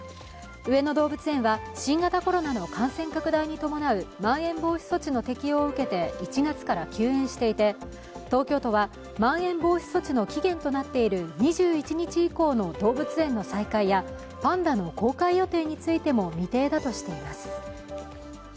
上野動物園は、新型コロナの感染拡大に伴うまん延防止措置の適用を受け１月から休園していて東京都は、まん延防止措置の期限となっている２１日以降の動物園の再開や、パンダの公開予定についても未定だとしています。